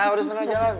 udah senang jalan